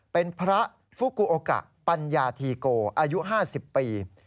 เป็นพระฟุกูโอกะปัญญาธีโกอายุ๕๐ปี